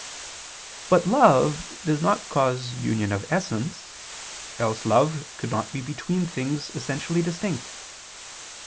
But love does not cause union of essence; else love could not be between things essentially distinct.